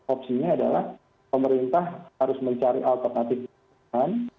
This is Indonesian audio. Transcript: opsinya adalah pemerintah harus mencari alternatif pilihan